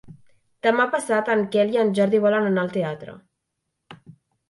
Demà passat en Quel i en Jordi volen anar al teatre.